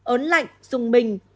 ốn lạnh dùng bình